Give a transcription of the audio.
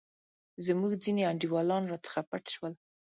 زموږ ځیني انډیوالان راڅخه پټ شول.